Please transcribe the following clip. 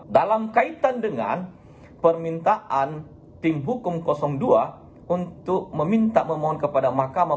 dalam kaitan dengan permintaan tim hukum dua untuk meminta memohon kepada mahkamah